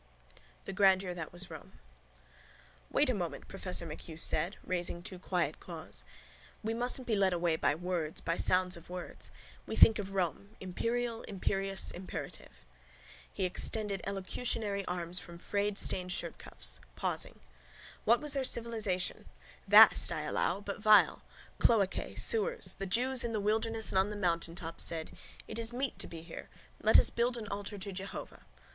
THE GRANDEUR THAT WAS ROME —Wait a moment, professor MacHugh said, raising two quiet claws. We mustn't be led away by words, by sounds of words. We think of Rome, imperial, imperious, imperative. He extended elocutionary arms from frayed stained shirtcuffs, pausing: —What was their civilisation? Vast, I allow: but vile. Cloacae: sewers. The Jews in the wilderness and on the mountaintop said: It is meet to be here. Let us build an altar to Jehovah.